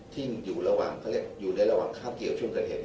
ที่อยู่ในระหว่างข้ามเกี่ยวกับช่วงประเทศ